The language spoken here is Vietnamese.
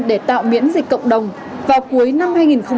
để tạo miễn dịch cộng đồng vào cuối năm hai nghìn hai mươi